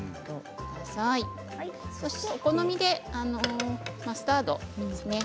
お好みでマスタードですね。